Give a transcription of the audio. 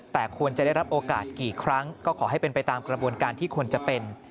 แต่ควรจะได้รับโอกาสกี่ครั้งก็ขอให้เป็นไปตามกระบวนการที่ควรจะเป็น